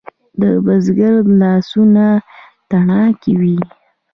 د بزګر لاسونه تڼاکې وي.